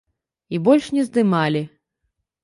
І больш не здымалі.